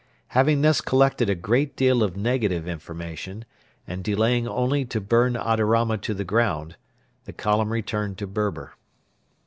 Having thus collected a great deal of negative information, and delaying only to burn Adarama to the ground, the column returned to Berber.